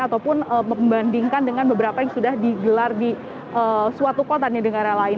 ataupun membandingkan dengan beberapa yang sudah digelar di suatu kota di negara lain